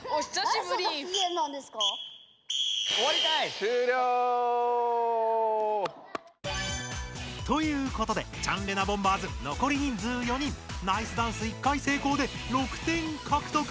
終了！ということでチャンレナボンバーズ残り人数４人ナイスダンス１回成功で６点獲得！ですが。